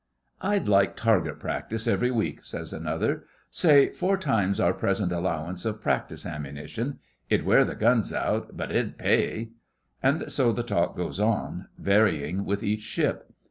'I'd like target practice every week,' says another. 'Say four times our present allowance of practice ammunition. It 'ud wear the guns out, but it 'ud pay.' And so the talk goes on; varying with each ship.